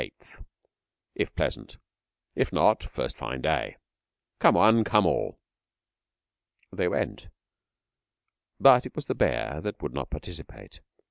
8th, if pleasant. If not, first fine day. Come one, come all! They went, but it was the bear that would not participate.